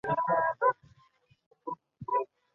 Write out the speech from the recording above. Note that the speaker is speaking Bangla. কেউ মোম টা জ্বালিয়েছিল।